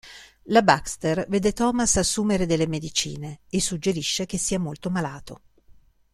La Baxter vede Thomas assumere delle medicine e suggerisce che sia molto malato.